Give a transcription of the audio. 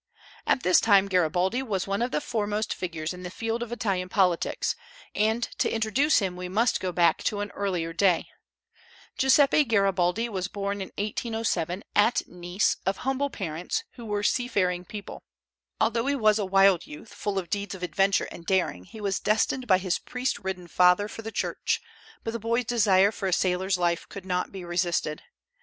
At this time Garibaldi was one of the foremost figures in the field of Italian politics, and, to introduce him, we must go back to an earlier day. Giuseppe Garibaldi was born in 1807, at Nice, of humble parents, who were seafaring people. Although he was a wild youth, full of deeds of adventure and daring, he was destined by his priest ridden father for the Church; but the boy's desire for a sailor's life could not be resisted.